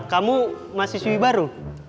kamu mahasiswa baru